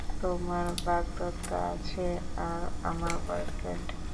তোমার বাগদত্তা আছে আর আমার বয়ফ্রেন্ড।